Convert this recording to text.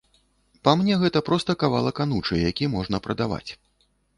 Па мне гэта проста кавалак анучы, які можна прадаваць.